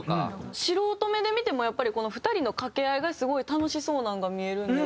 素人目で見てもやっぱりこの２人の掛け合いがすごい楽しそうなのが見えるので。